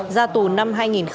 ra tù năm hai nghìn một mươi tám